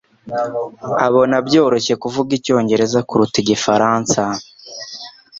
abona byoroshye kuvuga icyongereza kuruta igifaransa